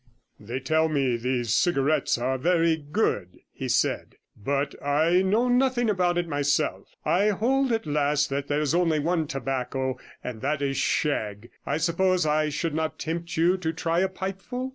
They tell me these cigarettes are very good,' he said; 'but I know nothing about it myself. I hold at last that there is only one tobacco, and that is shag. I suppose I could not tempt you to try a pipeful?'